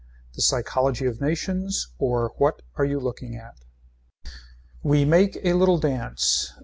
THE PSYCHOLOGY OF NATIONS OR WHAT ARE YOU LOOKING AT We make a little dance.